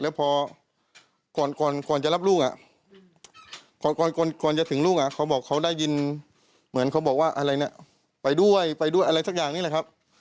แล้วพอก่อนจะรับลูกก่อนจะถึงลูกเขาบอกเขาได้ยินเหมือนเขาบอกว่าอะไรนะไปด้วยไปด้วยอะไรสักอย่างนี้แหละครับ